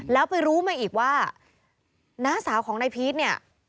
แล้วไปรู้มาอีกว่าน้าสาวของนายพีชเนี่ย